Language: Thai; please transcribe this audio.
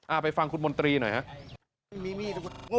อ่าไปฟังคุณมนตรีหน่อยฮะ